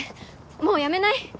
もうやめない？